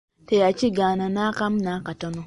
Teyakigaana n'akamu nakatono.